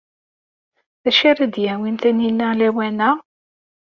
D acu ara d-yawin Taninna lawan-a?